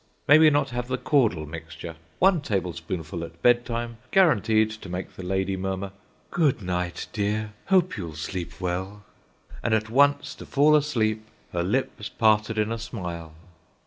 May we not have the Caudle Mixture: One tablespoonful at bed time guaranteed to make the lady murmur, "Good night, dear; hope you'll sleep well," and at once to fall asleep, her lips parted in a smile?